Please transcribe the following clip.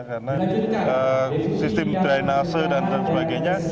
karena sistem drainase dan sebagainya